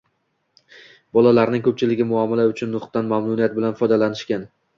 bolalarning ko‘pchiligi muomala uchun nutqdan mamnuniyat bilan foydalanishgan.